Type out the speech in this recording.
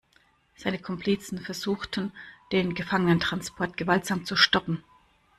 Seine Komplizen versuchten, den Gefangenentransport gewaltsam zu stoppen.